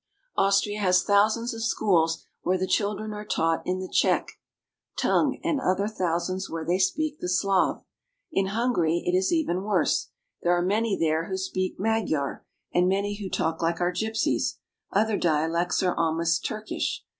Aus tria has thousands of schools where the children are taught in the Czechs (chechs or cheks) tongue, and other thousands where they speak the Slav. In Hungary it is even worse. There are many there who speak Magyar, and many who talk like our gypsies ; other dialects are almost Turkish.